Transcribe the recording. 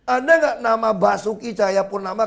ada nggak nama basuki cahayapurnama